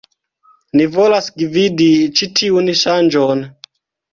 Ni volas gvidi ĉi tiun ŝanĝon.